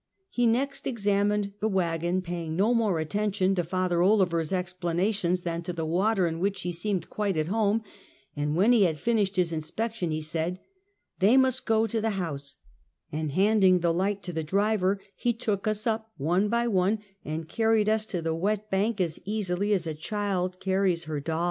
He next examined the wagon, paying no more atten tion to Father Olever's explanations than to the water in which he seemed quite at home, and when he had finished his inspection he said: " They must go to the house," and handing the light to the driver he took us uj) one by one and carried us to the wet bank as easily as a child carries her doll.